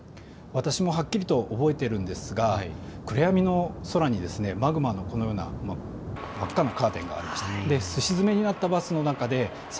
私もはっきりと覚えているんですが暗闇の空にマグマのような真っ赤なカーテンがありました。